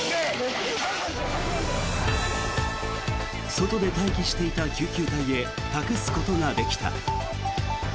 外で待機していた救急隊へ託すことができた。